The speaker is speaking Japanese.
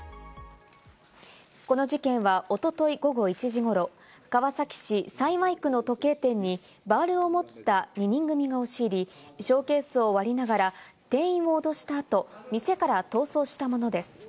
この事件は、おととい午後１時ごろ、川崎市幸区の時計店にバールを持った２人組が押し入り、ショーケースを割りながら、店員を脅した後、店から逃走したものです。